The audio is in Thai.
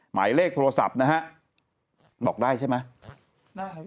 หมายเลขโทรศัพท์นะฮะบอกได้ใช่ไหม